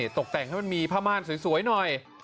ตกแต่งให้มันมีผ้าม่านสวยหน่อย